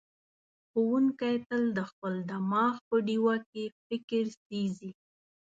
ښوونکی تل د خپل دماغ په ډیوه کې فکر سېځي.